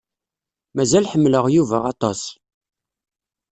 Mazal ḥemmleɣ Yuba aṭas.